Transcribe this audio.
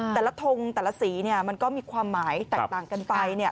แต่ละทงแต่ละสีมันก็มีความหมายแตกต่างกันไป